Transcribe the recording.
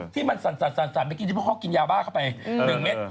ที่มันสั่นไม่กินที่พ่อกินยาบ้าเข้าไป๑เม็ด